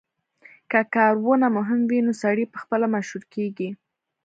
که کارونه مهم وي نو سړی پخپله مشهور کیږي